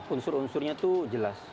unsur unsurnya itu jelas